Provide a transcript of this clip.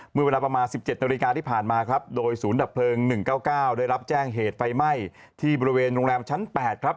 เมื่อเวลาประมาณ๑๗นาฬิกาที่ผ่านมาครับโดยศูนย์ดับเพลิง๑๙๙ได้รับแจ้งเหตุไฟไหม้ที่บริเวณโรงแรมชั้น๘ครับ